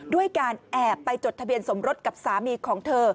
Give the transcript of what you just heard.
ด้วยการแอบไปจดทะเบียนสมรสกับสามีของเธอ